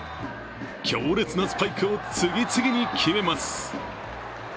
強烈なスパイクを次々に決めます。